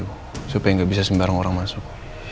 jangan di depan uang su supaya nggak bisa sembarang orang masuk